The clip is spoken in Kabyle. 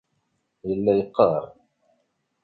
Yella yeqqar.